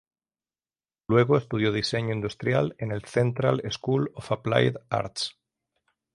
Luego estudió Diseño Industrial en el Central School of Applied Arts.